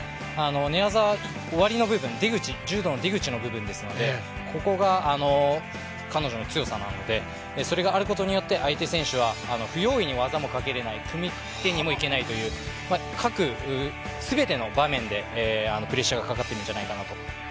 寝技、終わりの部分、出口、柔道の出口の部分ですのでここが彼女の強さなのでそれがあることによって相手選手は不用意に技もかけれない、組み手にもいけないという、全ての場面でプレッシャーがかかってるんじゃないかと思います。